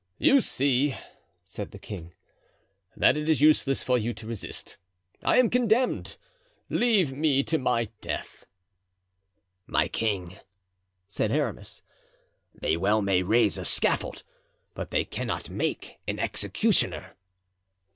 "You see," said the king, "that it is useless for you to resist. I am condemned; leave me to my death." "My king," said Aramis, "they well may raise a scaffold, but they cannot make an executioner."